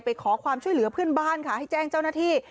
ไปขอความช่วยเหลือเพื่อนบ้านค่ะให้แจ้งเจ้าหน้าที่